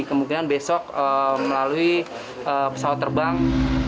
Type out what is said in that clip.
kemungkinan besok melalui pesawat terbang